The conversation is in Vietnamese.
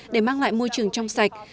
để mang lại môi trường trong sạch